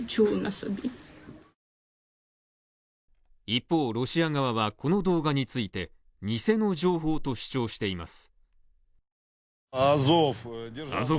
一方ロシア側はこの動画について、偽の情報と主張しています。